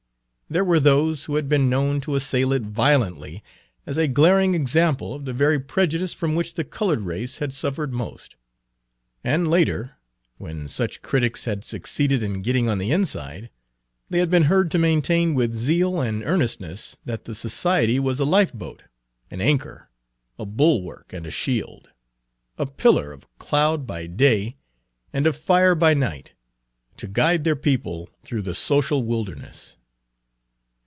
There were those who had been known to assail it violently as a glaring example of the very prejudice from which the colored race had suffered most; and later, when such critics had succeeded in getting on the inside, they had been heard to maintain with zeal and earnestness that the society was a lifeboat, an anchor, a bulwark and a shield, a pillar of cloud by day and of fire by night, to guide their people through the social wilderness.